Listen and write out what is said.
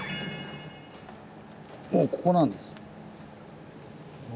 もうここなんです。